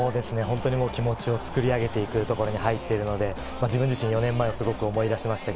気持ちを作り上げていくところで入っているので、自分自身、４年前を思い出しました。